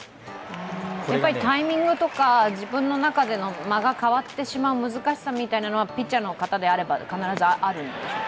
タイミングとか自分の中での間が変わってしまう難しさがピッチャーの方であれば、必ずあるんでしょうか？